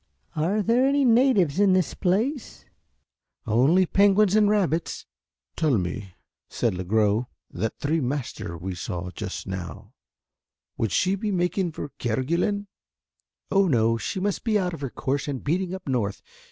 "Are there any natives in this place?" "Only penguins and rabbits." "Tell me," said Lagross, "that three master we saw just now, would she be making for Kerguelen?" "Oh, no, she must be out of her course and beating up north.